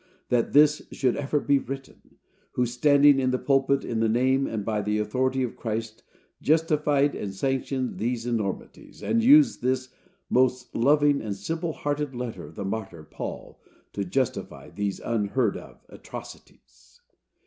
that this should ever be written,—who, standing in the pulpit, in the name and by the authority of Christ, justified and sanctioned these enormities, and used this most loving and simple hearted letter of the martyr Paul to justify these unheard of atrocities!